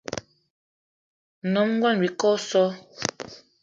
Nyom ngón Bikele o so!